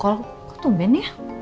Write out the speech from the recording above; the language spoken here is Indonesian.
kok tumben ya